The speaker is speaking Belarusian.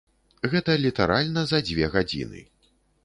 Гэта літаральна за дзве гадзіны.